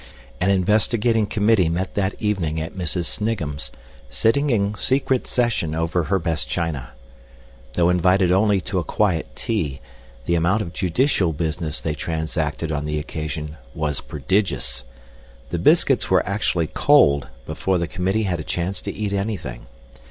An investigating committee met that evening at Mrs. Snigham's sitting in secret session over her best china. Though invited only to a quiet "tea," the amount of judicial business they transacted on the occasion was prodigious. The biscuits were actually cold before the committee had a chance to eat anything.